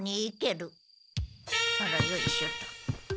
あらよいしょと。